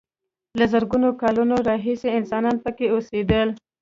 له زرګونو کالونو راهیسې انسانان پکې اوسېدل.